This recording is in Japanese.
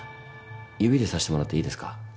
指でさしてもらっていいですか？